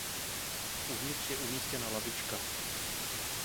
Uvnitř je umístěna lavička.